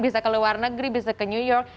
bisa ke luar negeri bisa ke new york